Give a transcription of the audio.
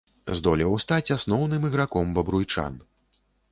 Здолеў стаць асноўным іграком бабруйчан.